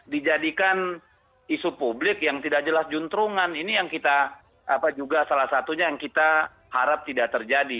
dijadikan isu publik yang tidak jelas juntrungan ini yang kita juga salah satunya yang kita harap tidak terjadi